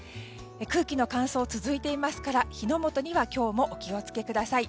空気の乾燥続いていますから火の元には今日もお気をつけください。